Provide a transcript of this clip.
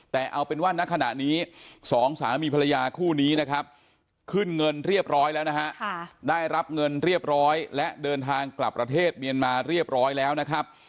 แต่เอาเป็นว่าณขณะนี้สองสามีภรรยาคู่นี้นะครับขึ้นเงินเรียบร้อยแล้วนะฮะได้รับเงินเรียบร้อยและเดินทางกลับประเทศเมียนมาเรียบร้อยแล้วนะครับ